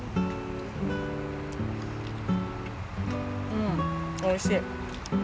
うんおいしい。